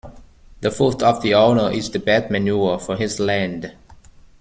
The foot of the owner is the best manure for his land.